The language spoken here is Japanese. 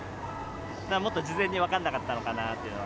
もっと事前に分かんなかったのかなというのは。